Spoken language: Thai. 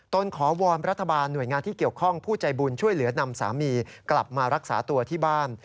ขอวอนรัฐบาลหน่วยงานที่เกี่ยวข้องผู้ใจบุญช่วยเหลือนำสามีกลับมารักษาตัวที่บ้าน